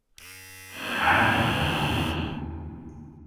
Hager owgh hwi.